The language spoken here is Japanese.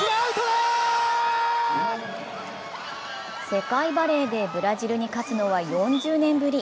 世界バレーでブラジルに勝つのは４０年ぶり。